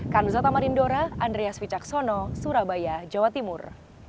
kan uzlata marindora andreas wijaksono surabaya jawa timur